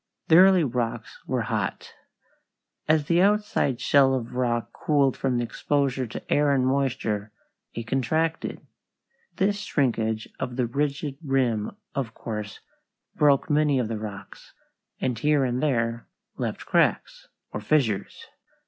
The early rocks were hot. As the outside shell of rock cooled from exposure to air and moisture it contracted. This shrinkage of the rigid rim of course broke many of the rocks, and here and there left cracks, or fissures.